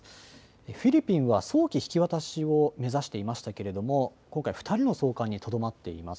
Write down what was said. フィリピンは早期引き渡しを目指していましたけれども２人の送還にとどまっています。